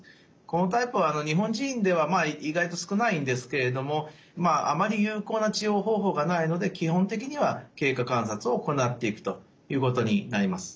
このタイプは日本人では意外と少ないんですけれどもあまり有効な治療方法がないので基本的には経過観察を行っていくということになります。